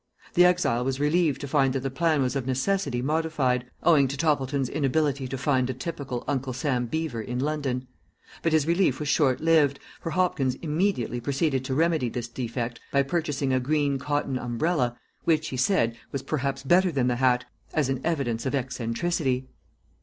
The exile was relieved to find that the plan was of necessity modified, owing to Toppleton's inability to find a typical Uncle Sam beaver in London; but his relief was short lived, for Hopkins immediately proceeded to remedy this defect by purchasing a green cotton umbrella, which, he said, was perhaps better than the hat as an evidence of eccentricity.